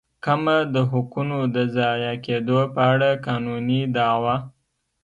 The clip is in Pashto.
کمه د حقونو د ضایع کېدو په اړه قانوني دعوه.